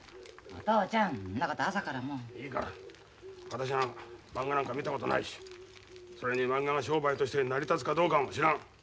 私はまんがなんか見たことないしそれにまんがが商売として成り立つかどうかも知らん。